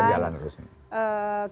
oke jalan terus